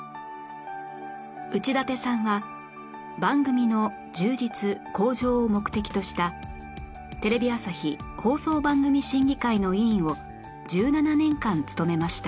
内館さんは番組の充実向上を目的としたテレビ朝日「放送番組審議会」の委員を１７年間務めました